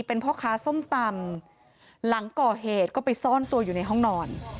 เป็นพ่อค้าส้มตำหลังก่อเหตุก็ไปซ่อนตัวอยู่ในห้องนอน